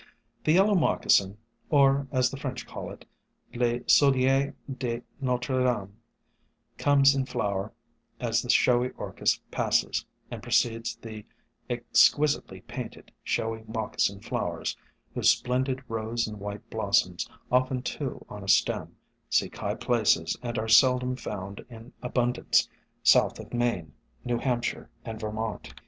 The Yellow Moccasin, or, as the French call it, Le Soulier de Notre Dame, comes in flower as the Showy Orchis passes, and precedes the exquisitely painted Showy Moccasin Flowers, whose splendid rose and white blossoms, often two on a stem, 136 SOME HUMBLE ORCHIDS seek high places and are seldom found in abun dance south of Maine, New Hampshire and Ver mont.